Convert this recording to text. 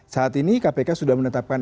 saat ini kpk sudah menanggung keputusan